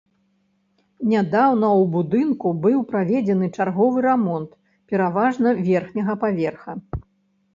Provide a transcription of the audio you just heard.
Нядаўна ў будынку быў праведзены чарговы рамонт, пераважна верхняга паверха.